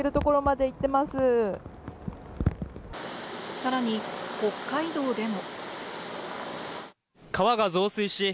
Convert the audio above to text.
さらに北海道でも。